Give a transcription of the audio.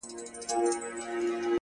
بس ده ژړا مه كوه مړ به مي كړې؛